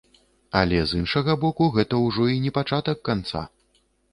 Але, з іншага боку, гэта ўжо і не пачатак канца.